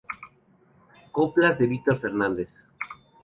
Coplas de Víctor Fernández.